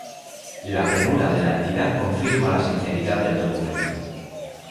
La premura de la entidad confirma la sinceridad del documento